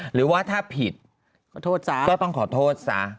หรือว่าถ้าผิดก็ต้องขอโทษซะ